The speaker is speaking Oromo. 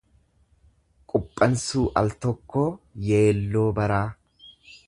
Quphansuu al tokkoo yeelloo baraa.